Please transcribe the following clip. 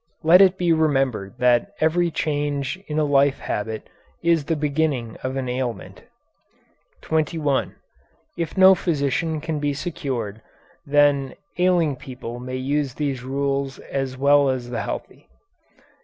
Let it be remembered that every change in a life habit is the beginning of an ailment. 21. If no physician can be secured, then ailing people may use these rules as well as the healthy.